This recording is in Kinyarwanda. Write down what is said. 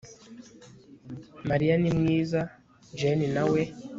Mariya ni mwiza Jane na we